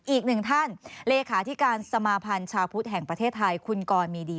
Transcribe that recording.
อีกหนึ่งท่านเลขาธิการสมาพันธ์ชาวพุทธแห่งประเทศไทยคุณกรมีดี